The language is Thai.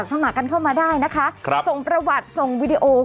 สมัครกันเข้ามาได้นะคะส่งประวัติส่งวีดีโอ